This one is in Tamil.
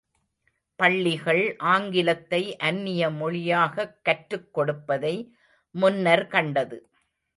பள்ளிகள், ஆங்கிலத்தை அந்நிய மொழியாகக் கற்றுக் கொடுப்பதை முன்னர் கண்டது.